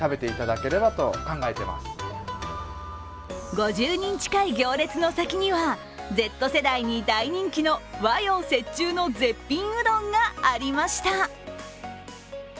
５０人近い行列の先にはＺ世代に大人気の和洋折衷の絶品うどんがありました。